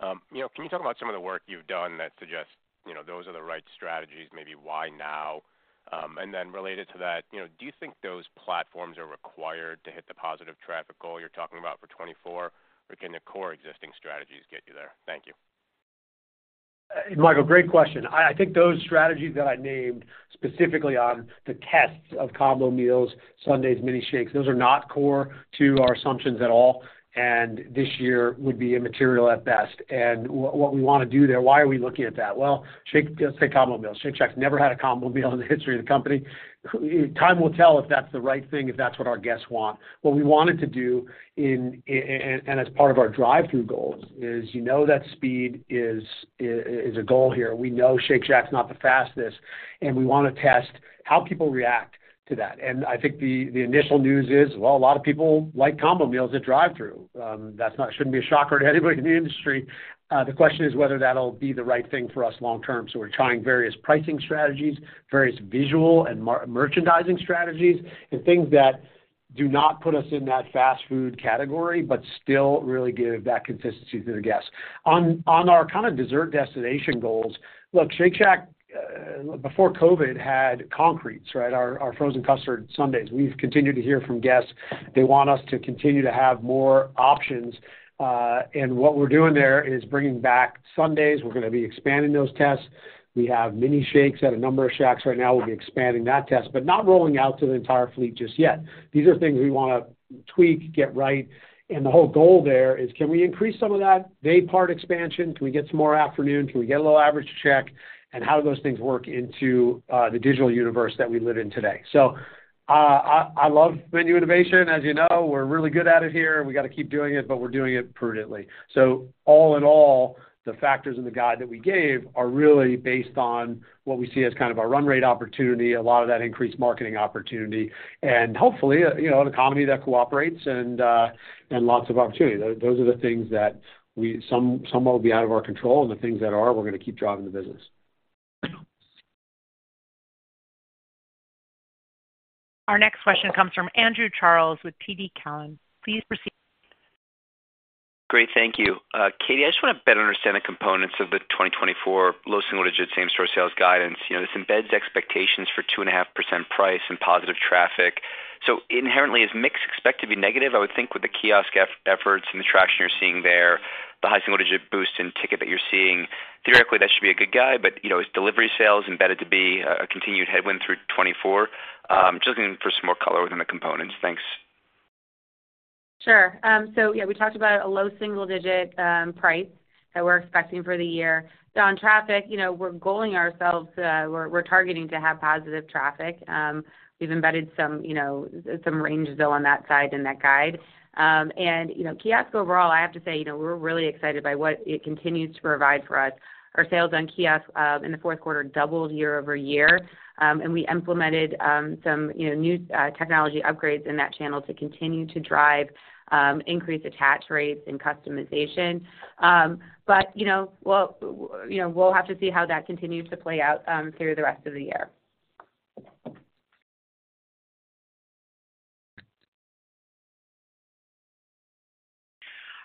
[SPEAKER 8] Can you talk about some of the work you've done that suggests those are the right strategies, maybe why now? And then related to that, do you think those platforms are required to hit the positive traffic goal you're talking about for 2024, or can the core existing strategies get you there? Thank you.
[SPEAKER 3] Michael, great question. I think those strategies that I named specifically on the tests of combo meals, sundaes mini shakes, those are not core to our assumptions at all. This year would be immaterial at best. What we want to do there, why are we looking at that? Well, let's say combo meals. Shake Shack's never had a combo meal in the history of the company. Time will tell if that's the right thing, if that's what our guests want. What we wanted to do and as part of our drive-through goals is that speed is a goal here. We know Shake Shack's not the fastest. We want to test how people react to that. I think the initial news is, well, a lot of people like combo meals at drive-through. That shouldn't be a shocker to anybody in the industry. The question is whether that'll be the right thing for us long-term. So we're trying various pricing strategies, various visual and merchandising strategies, and things that do not put us in that fast food category but still really give that consistency to the guests. On our kind of dessert destination goals, look, Shake Shack, before COVID, had concretes, right, our frozen custard sundaes. We've continued to hear from guests. They want us to continue to have more options. And what we're doing there is bringing back sundaes. We're going to be expanding those tests. We have mini shakes at a number of Shacks right now. We'll be expanding that test but not rolling out to the entire fleet just yet. These are things we want to tweak, get right. And the whole goal there is, can we increase some of that day-part expansion? Can we get some more afternoon? Can we get a little average check? How do those things work into the digital universe that we live in today? I love menu innovation. As you know, we're really good at it here. We got to keep doing it, but we're doing it prudently. All in all, the factors in the guide that we gave are really based on what we see as kind of our run-rate opportunity, a lot of that increased marketing opportunity, and hopefully, an economy that cooperates and lots of opportunity. Those are the things that some will be out of our control, and the things that are, we're going to keep driving the business.
[SPEAKER 1] Our next question comes from Andrew Charles with TD Cowen. Please proceed.
[SPEAKER 9] Great. Thank you. Katie, I just want to better understand the components of the 2024 low single-digit Same-Shack Sales guidance. This embeds expectations for 2.5% price and positive traffic. So inherently, is mix expected to be negative? I would think with the kiosk efforts and the traction you're seeing there, the high single-digit boost in ticket that you're seeing, theoretically, that should be a good guide. But is delivery sales embedded to be a continued headwind through 2024? Just looking for some more color within the components. Thanks.
[SPEAKER 4] Sure. So yeah, we talked about a low single-digit price that we're expecting for the year. On traffic, we're goaling ourselves. We're targeting to have positive traffic. We've embedded some range, though, on that side in that guide. And kiosk overall, I have to say, we're really excited by what it continues to provide for us. Our sales on kiosk in the fourth quarter doubled year-over-year. And we implemented some new technology upgrades in that channel to continue to drive increased attach rates and customization. But well, we'll have to see how that continues to play out through the rest of the year.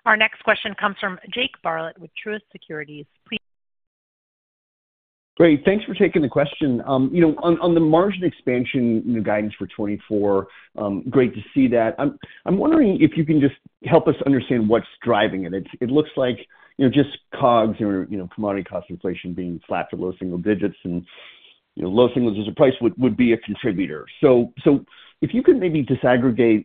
[SPEAKER 1] Our next question comes from Jake Bartlett with Truist Securities. Please.
[SPEAKER 10] Great. Thanks for taking the question. On the margin expansion guidance for 2024, great to see that. I'm wondering if you can just help us understand what's driving it. It looks like just COGS or commodity cost inflation being slated at low single digits, and low single digit price would be a contributor. So if you could maybe disaggregate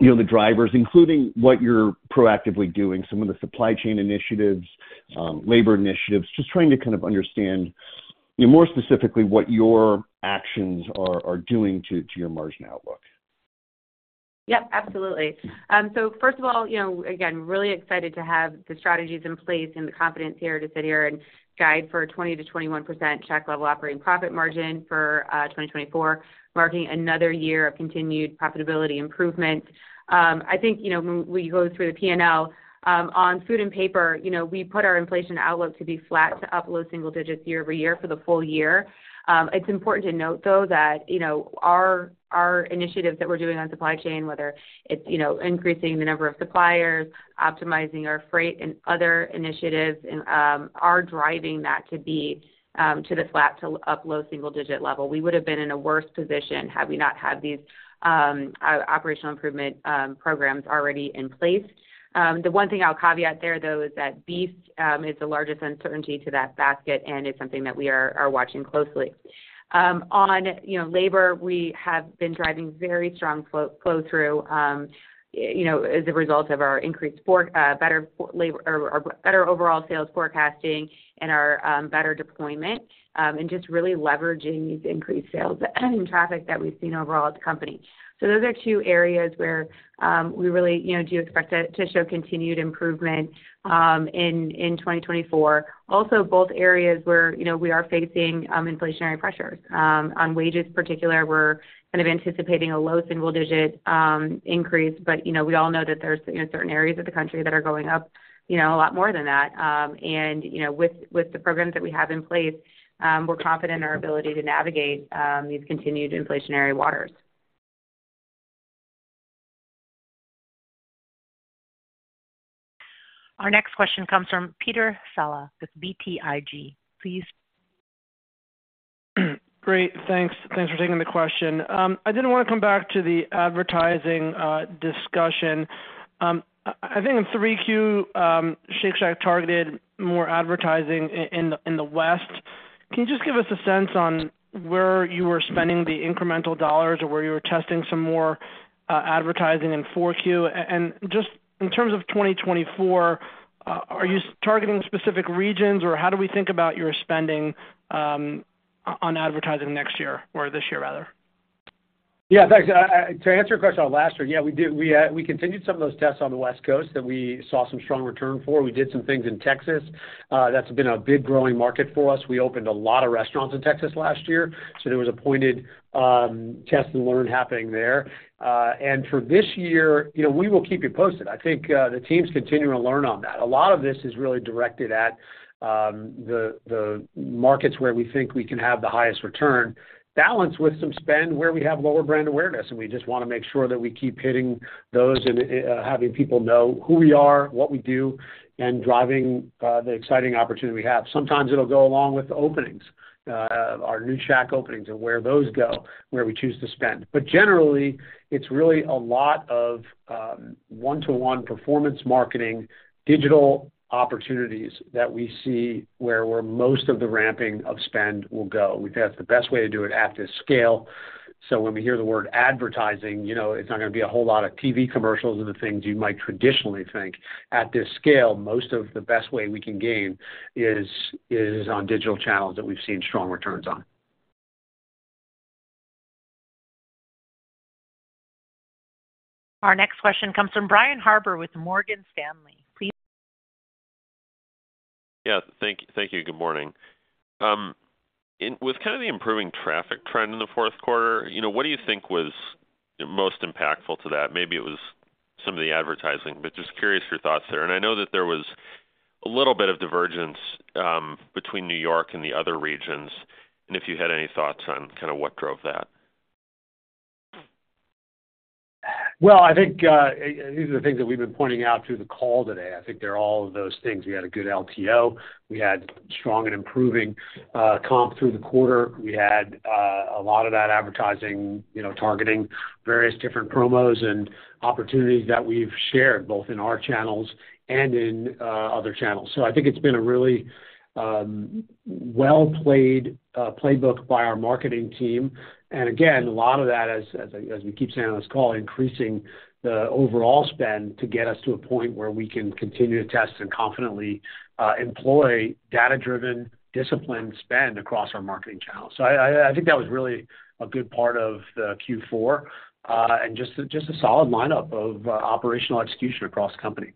[SPEAKER 10] the drivers, including what you're proactively doing, some of the supply chain initiatives, labor initiatives, just trying to kind of understand more specifically what your actions are doing to your margin outlook.
[SPEAKER 4] Yep, absolutely. So first of all, again, really excited to have the strategies in place and the confidence here to sit here and guide for a 20%-21% Shack-level operating profit margin for 2024, marking another year of continued profitability improvement. I think when we go through the P&L, on food and paper, we put our inflation outlook to be flat to up low single digits year-over-year for the full year. It's important to note, though, that our initiatives that we're doing on supply chain, whether it's increasing the number of suppliers, optimizing our freight, and other initiatives, are driving that to be to the flat to up low single digit level. We would have been in a worse position had we not had these operational improvement programs already in place. The one thing I'll caveat there, though, is that beef is the largest uncertainty to that basket, and it's something that we are watching closely. On labor, we have been driving very strong flow-through as a result of our better overall sales forecasting and our better deployment and just really leveraging these increased sales and traffic that we've seen overall at the company. So those are two areas where we really do expect to show continued improvement in 2024. Also, both areas where we are facing inflationary pressures. On wages, in particular, we're kind of anticipating a low single digit increase. But we all know that there's certain areas of the country that are going up a lot more than that. And with the programs that we have in place, we're confident in our ability to navigate these continued inflationary waters.
[SPEAKER 1] Our next question comes from Peter Saleh with BTIG. Please.
[SPEAKER 11] Great. Thanks. Thanks for taking the question. I did want to come back to the advertising discussion. I think in 3Q, Shake Shack targeted more advertising in the West. Can you just give us a sense on where you were spending the incremental dollars or where you were testing some more advertising in 4Q? And just in terms of 2024, are you targeting specific regions, or how do we think about your spending on advertising next year or this year, rather?
[SPEAKER 3] Yeah, thanks. To answer your question on last year, yeah, we continued some of those tests on the West Coast that we saw some strong return for. We did some things in Texas. That's been a big growing market for us. We opened a lot of restaurants in Texas last year. So there was a pointed test and learn happening there. And for this year, we will keep you posted. I think the team's continuing to learn on that. A lot of this is really directed at the markets where we think we can have the highest return, balanced with some spend where we have lower brand awareness. And we just want to make sure that we keep hitting those and having people know who we are, what we do, and driving the exciting opportunity we have. Sometimes it'll go along with the openings, our new shack openings, and where those go, where we choose to spend. But generally, it's really a lot of one-to-one performance marketing, digital opportunities that we see where most of the ramping of spend will go. We think that's the best way to do it at this scale. So when we hear the word advertising, it's not going to be a whole lot of TV commercials and the things you might traditionally think. At this scale, most of the best way we can gain is on digital channels that we've seen strong returns on.
[SPEAKER 1] Our next question comes from Brian Harbour with Morgan Stanley. Please.
[SPEAKER 12] Yeah. Thank you. Good morning. With kind of the improving traffic trend in the fourth quarter, what do you think was most impactful to that? Maybe it was some of the advertising, but just curious, your thoughts there. And I know that there was a little bit of divergence between New York and the other regions. And if you had any thoughts on kind of what drove that?
[SPEAKER 3] Well, I think these are the things that we've been pointing out through the call today. I think they're all of those things. We had a good LTO. We had strong and improving comp through the quarter. We had a lot of that advertising targeting, various different promos and opportunities that we've shared both in our channels and in other channels. So I think it's been a really well-played playbook by our marketing team. And again, a lot of that, as we keep saying on this call, increasing the overall spend to get us to a point where we can continue to test and confidently employ data-driven, disciplined spend across our marketing channels. So I think that was really a good part of the Q4 and just a solid lineup of operational execution across the company.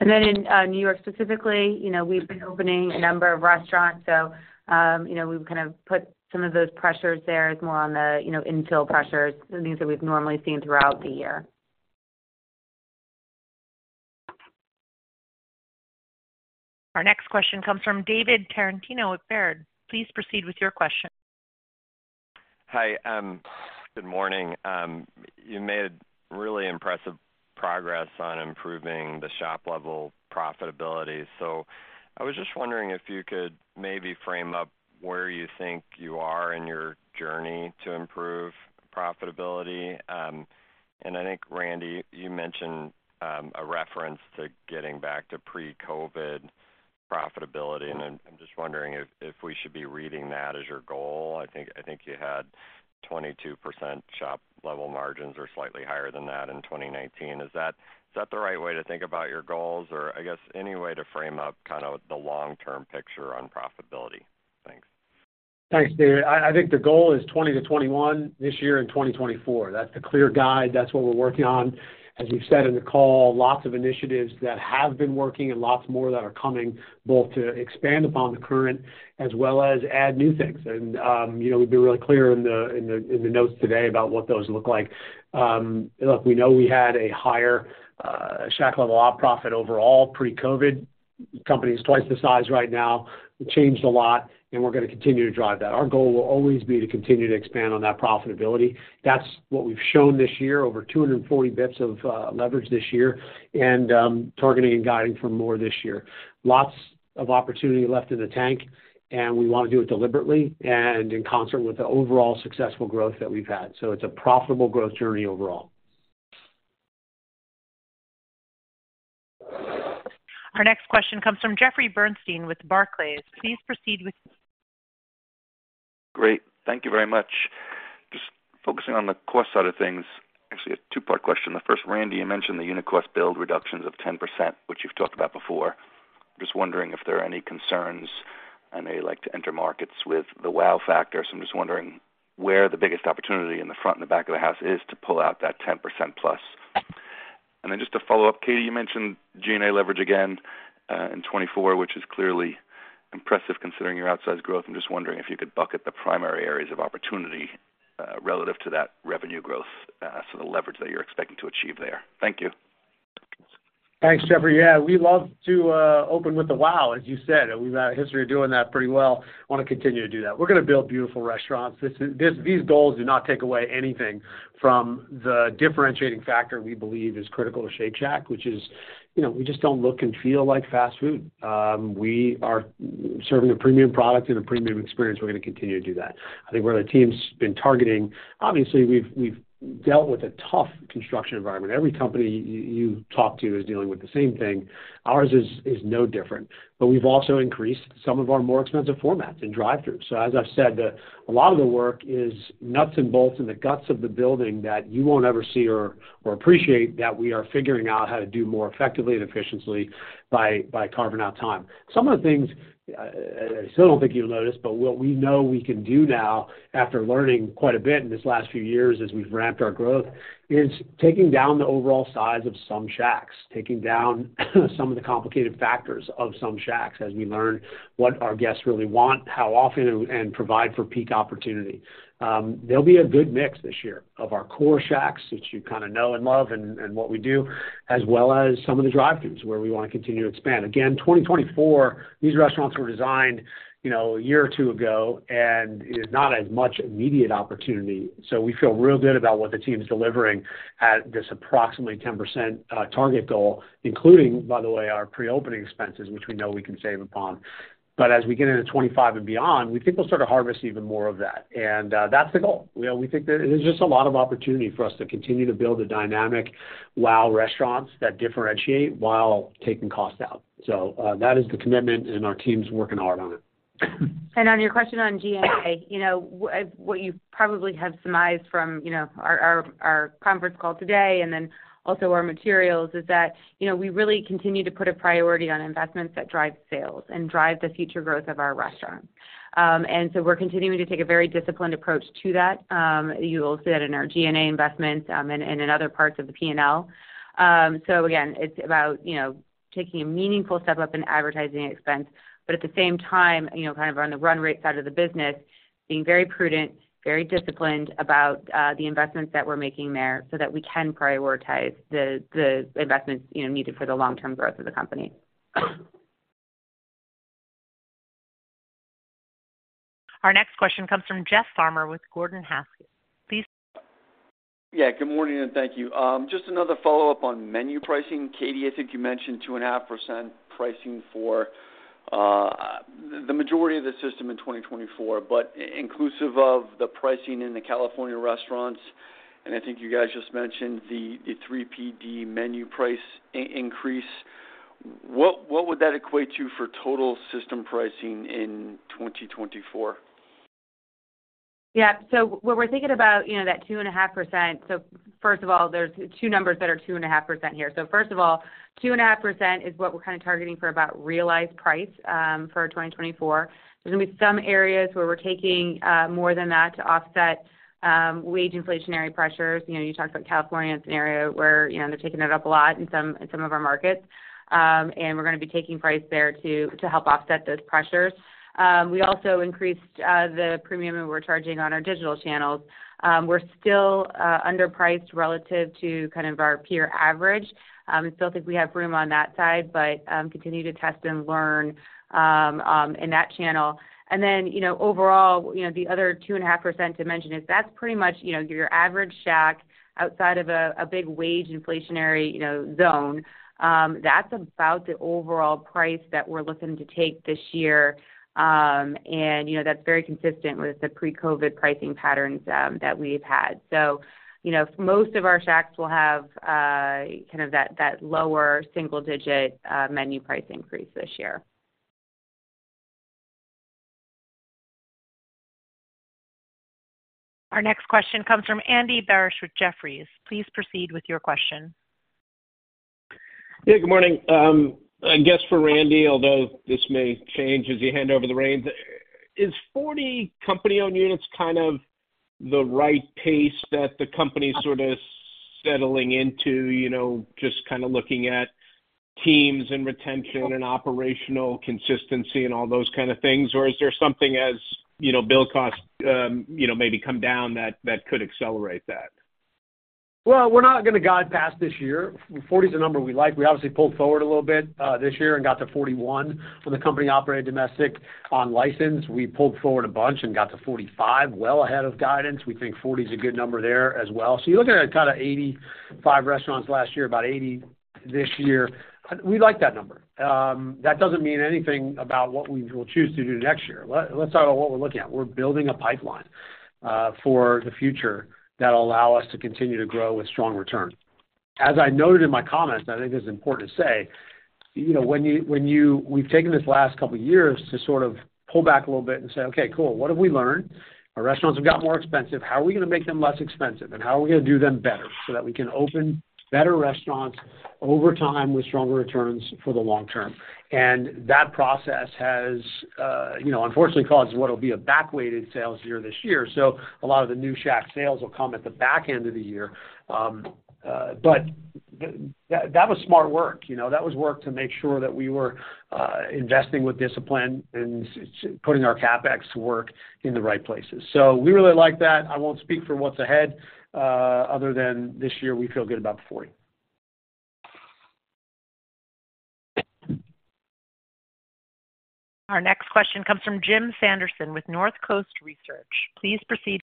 [SPEAKER 4] And then in New York specifically, we've been opening a number of restaurants. So we've kind of put some of those pressures there as more on the infill pressures, the things that we've normally seen throughout the year.
[SPEAKER 1] Our next question comes from David Tarantino at Baird. Please proceed with your question.
[SPEAKER 13] Hi. Good morning. You made really impressive progress on improving the Shack-level profitability. So I was just wondering if you could maybe frame up where you think you are in your journey to improve profitability. And I think, Randy, you mentioned a reference to getting back to pre-COVID profitability. And I'm just wondering if we should be reading that as your goal. I think you had 22% Shack-level margins or slightly higher than that in 2019. Is that the right way to think about your goals, or I guess any way to frame up kind of the long-term picture on profitability? Thanks.
[SPEAKER 3] Thanks, David. I think the goal is 2020-2021 this year and 2024. That's the clear guide. That's what we're working on. As we've said in the call, lots of initiatives that have been working and lots more that are coming, both to expand upon the current as well as add new things. And we've been really clear in the notes today about what those look like. Look, we know we had a higher shack-level op profit overall pre-COVID. The company is twice the size right now. It changed a lot, and we're going to continue to drive that. Our goal will always be to continue to expand on that profitability. That's what we've shown this year, over 240 bps of leverage this year and targeting and guiding for more this year. Lots of opportunity left in the tank, and we want to do it deliberately and in concert with the overall successful growth that we've had. So it's a profitable growth journey overall.
[SPEAKER 1] Our next question comes from Jeffrey Bernstein with Barclays. Please proceed with.
[SPEAKER 14] Great. Thank you very much. Just focusing on the cost side of things, actually, a two-part question. The first, Randy, you mentioned the unit cost build reductions of 10%, which you've talked about before. I'm just wondering if there are any concerns and they like to enter markets with the wow factor. So I'm just wondering where the biggest opportunity in the front and the back of the house is to pull out that 10%+. And then just to follow up, Katie, you mentioned G&A leverage again in 2024, which is clearly impressive considering your outsized growth. I'm just wondering if you could bucket the primary areas of opportunity relative to that revenue growth, so the leverage that you're expecting to achieve there. Thank you.
[SPEAKER 3] Thanks, Jeffrey. Yeah, we love to open with the wow, as you said. We've got a history of doing that pretty well. Want to continue to do that. We're going to build beautiful restaurants. These goals do not take away anything from the differentiating factor we believe is critical to Shake Shack, which is we just don't look and feel like fast food. We are serving a premium product and a premium experience. We're going to continue to do that. I think where the team's been targeting, obviously, we've dealt with a tough construction environment. Every company you talk to is dealing with the same thing. Ours is no different. But we've also increased some of our more expensive formats and drive-throughs. As I've said, a lot of the work is nuts and bolts in the guts of the building that you won't ever see or appreciate that we are figuring out how to do more effectively and efficiently by carving out time. Some of the things I still don't think you'll notice, but what we know we can do now after learning quite a bit in this last few years as we've ramped our growth is taking down the overall size of some Shacks, taking down some of the complicated factors of some Shacks as we learn what our guests really want, how often, and provide for peak opportunity. There'll be a good mix this year of our core Shacks, which you kind of know and love and what we do, as well as some of the drive-throughs where we want to continue to expand. Again, 2024, these restaurants were designed a year or two ago and is not as much immediate opportunity. So we feel real good about what the team's delivering at this approximately 10% target goal, including, by the way, our pre-opening expenses, which we know we can save upon. But as we get into 2025 and beyond, we think we'll start to harvest even more of that. And that's the goal. We think that there's just a lot of opportunity for us to continue to build dynamic wow restaurants that differentiate while taking cost out. So that is the commitment, and our team's working hard on it.
[SPEAKER 4] On your question on G&A, what you probably have surmised from our conference call today and then also our materials is that we really continue to put a priority on investments that drive sales and drive the future growth of our restaurants. So we're continuing to take a very disciplined approach to that. You'll see that in our G&A investments and in other parts of the P&L. Again, it's about taking a meaningful step up in advertising expense, but at the same time, kind of on the run-rate side of the business, being very prudent, very disciplined about the investments that we're making there so that we can prioritize the investments needed for the long-term growth of the company.
[SPEAKER 1] Our next question comes from Jeff Farmer with Gordon Haskett. Please.
[SPEAKER 15] Yeah. Good morning, and thank you. Just another follow-up on menu pricing. Katie, I think you mentioned 2.5% pricing for the majority of the system in 2024, but inclusive of the pricing in the California restaurants, and I think you guys just mentioned the 3PD menu price increase, what would that equate to for total system pricing in 2024?
[SPEAKER 4] Yeah. So what we're thinking about, that 2.5% so first of all, there's two numbers that are 2.5% here. So first of all, 2.5% is what we're kind of targeting for about realized price for 2024. There's going to be some areas where we're taking more than that to offset wage inflationary pressures. You talked about California in a scenario where they're taking it up a lot in some of our markets. And we're going to be taking price there to help offset those pressures. We also increased the premium that we're charging on our digital channels. We're still underpriced relative to kind of our peer average. I still think we have room on that side, but continue to test and learn in that channel. And then overall, the other 2.5% to mention is that's pretty much your average shack outside of a big wage inflationary zone. That's about the overall price that we're looking to take this year. That's very consistent with the pre-COVID pricing patterns that we've had. Most of our Shacks will have kind of that lower single-digit menu price increase this year.
[SPEAKER 1] Our next question comes from Andy Barish with Jefferies. Please proceed with your question.
[SPEAKER 16] Yeah. Good morning. I guess for Randy, although this may change as you hand over the reins, is 40 company-owned units kind of the right pace that the company's sort of settling into, just kind of looking at teams and retention and operational consistency and all those kind of things? Or is there something as bill costs maybe come down that could accelerate that?
[SPEAKER 3] Well, we're not going to outpace this year. 40 is a number we like. We obviously pulled forward a little bit this year and got to 41 company-operated domestic and licensed. We pulled forward a bunch and got to 45 well ahead of guidance. We think 40 is a good number there as well. So you're looking at kind of 85 restaurants last year, about 80 this year. We like that number. That doesn't mean anything about what we will choose to do next year. Let's talk about what we're looking at. We're building a pipeline for the future that'll allow us to continue to grow with strong returns. As I noted in my comments, I think this is important to say, when we've taken this last couple of years to sort of pull back a little bit and say, "Okay, cool. What have we learned? Our restaurants have got more expensive. How are we going to make them less expensive? And how are we going to do them better so that we can open better restaurants over time with stronger returns for the long term?" And that process has, unfortunately, caused what'll be a backweighted sales year this year. So a lot of the new Shack sales will come at the back end of the year. But that was smart work. That was work to make sure that we were investing with discipline and putting our CapEx work in the right places. So we really like that. I won't speak for what's ahead other than this year, we feel good about the 40.
[SPEAKER 1] Our next question comes from Jim Sanderson with North Coast Research. Please proceed.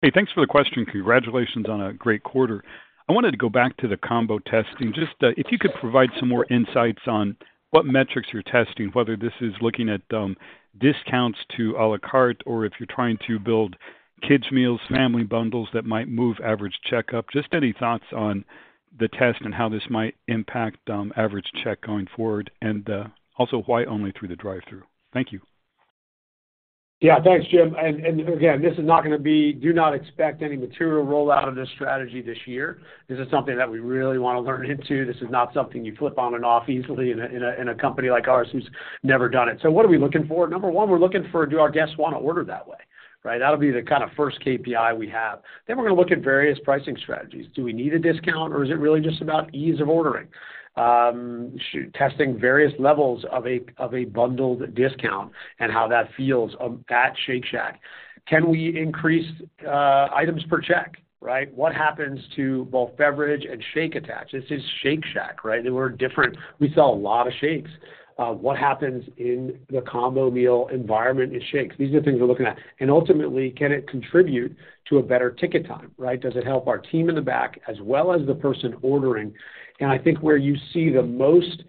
[SPEAKER 17] Hey, thanks for the question. Congratulations on a great quarter. I wanted to go back to the combo testing. Just if you could provide some more insights on what metrics you're testing, whether this is looking at discounts to à la carte or if you're trying to build kids' meals, family bundles that might move average check, just any thoughts on the test and how this might impact average check going forward and also why only through the drive-through. Thank you.
[SPEAKER 3] Yeah. Thanks, Jim. And again, this is not going to be. Do not expect any material rollout of this strategy this year. This is something that we really want to lean into. This is not something you flip on and off easily in a company like ours who's never done it. So what are we looking for? Number one, we're looking for, do our guests want to order that way? Right? That'll be the kind of first KPI we have. Then we're going to look at various pricing strategies. Do we need a discount, or is it really just about ease of ordering? Testing various levels of a bundled discount and how that feels at Shake Shack. Can we increase items per check? Right? What happens to both beverage and shake attach? This is Shake Shack, right? They were different. We saw a lot of shakes. What happens in the combo meal environment in Shacks? These are the things we're looking at. And ultimately, can it contribute to a better ticket time? Right? Does it help our team in the back as well as the person ordering? And I think where you see the most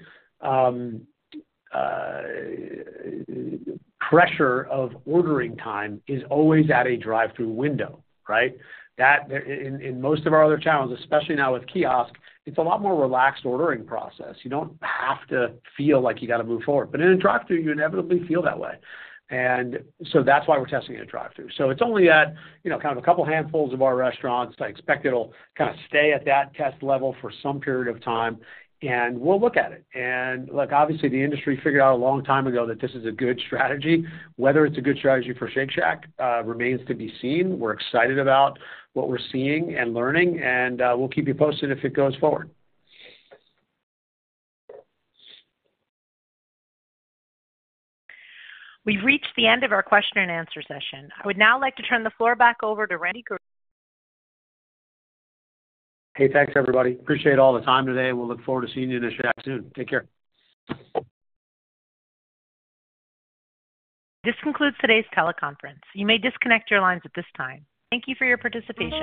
[SPEAKER 3] pressure of ordering time is always at a drive-through window. Right? In most of our other channels, especially now with kiosk, it's a lot more relaxed ordering process. You don't have to feel like you got to move forward. But in a drive-through, you inevitably feel that way. And so that's why we're testing in a drive-through. So it's only at kind of a couple of handfuls of our restaurants. I expect it'll kind of stay at that test level for some period of time, and we'll look at it. And look, obviously, the industry figured out a long time ago that this is a good strategy. Whether it's a good strategy for Shake Shack remains to be seen. We're excited about what we're seeing and learning, and we'll keep you posted if it goes forward.
[SPEAKER 2] We've reached the end of our question-and-answer session. I would now like to turn the floor back over to Randy Garutti.
[SPEAKER 3] Hey, thanks, everybody. Appreciate all the time today. We'll look forward to seeing you in a Shack soon. Take care.
[SPEAKER 1] This concludes today's teleconference. You may disconnect your lines at this time. Thank you for your participation.